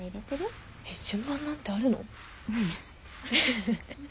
えっ順番なんてあるの？